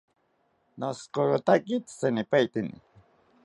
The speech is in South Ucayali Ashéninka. Noshokorotake tzitenipaeteni